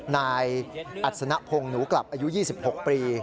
นายอัศนพงศ์หนูกลับอายุ๒๖ปี